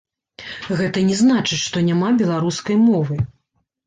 Гэта не значыць, што няма беларускай мовы.